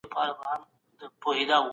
عصري نړۍ ته په نوي فکر سره ورشئ.